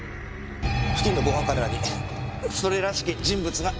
付近の防犯カメラにそれらしき人物が映っていました。